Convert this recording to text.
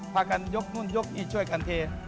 พระการยกนู่นยกอีดช่วยกันเท